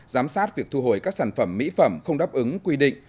giám sát việc thu hồi các sản phẩm mỹ phẩm không đáp ứng quy định